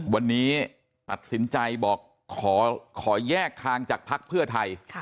วันนี้ตัดสินใจบอกขอแยกทางจากภักดิ์เพื่อไทย